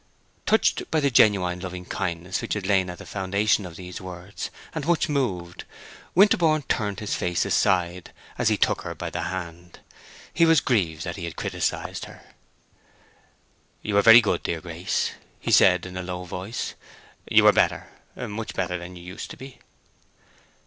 Touched by the genuine loving kindness which had lain at the foundation of these words, and much moved, Winterborne turned his face aside, as he took her by the hand. He was grieved that he had criticised her. "You are very good, dear Grace," he said, in a low voice. "You are better, much better, than you used to be."